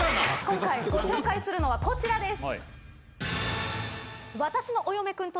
今回ご紹介するのはこちらです。